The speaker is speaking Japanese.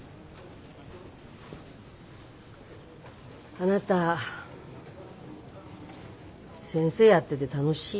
あなた先生やってて楽しい？